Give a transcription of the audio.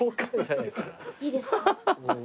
いいですか？